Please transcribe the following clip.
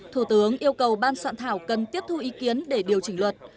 thủ tướng yêu cầu ban soạn thảo cần tiếp thu ý kiến để điều chỉnh luật